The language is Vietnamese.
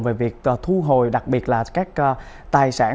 về việc thu hồi đặc biệt là các tài sản